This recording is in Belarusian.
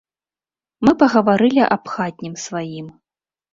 Мы пагаварылі аб хатнім сваім.